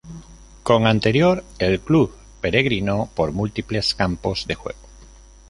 Con anterior el club peregrinó por múltiples campos de juego.